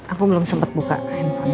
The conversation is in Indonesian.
aku belum sempet buka info nya